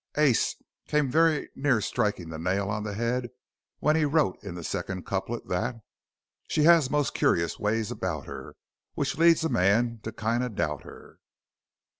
Ace came very near striking the nail on the head when he wrote in the second couplet that: 'She has most curyus ways about her, Which leads a man to kinda dout her.'